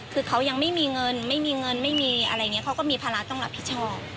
คือเขายังไม่มีเงินไม่มีเงินไม่มีอะไรอย่างนี้เขาก็มีภาระต้องรับผิดชอบ